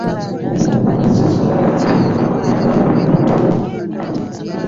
Sisobola kubeera naawe mweno enyumba.